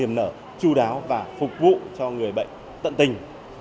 tiếp đón được niềm nở chu đáo và phục vụ cho người bệnh tận tình